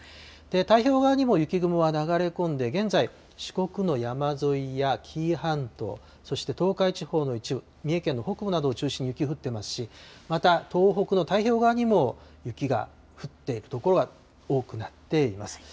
太平洋側にも雪雲は流れ込んで、現在、四国の山沿いや紀伊半島、そして東海地方の一部、三重県の北部などを中心に雪降ってますし、また東北の太平洋側にも、雪が降っている所が多くなっています。